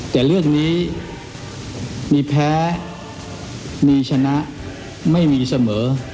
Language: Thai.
แต่เรื่องนี้มีแพ้มีชนะไม่มีเสมอ